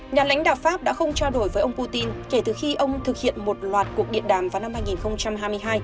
nhà lãnh đạo pháp đã không trao đổi với ông putin kể từ khi ông thực hiện một loạt cuộc điện đàm vào năm hai nghìn hai mươi hai